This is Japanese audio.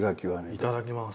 いただきます。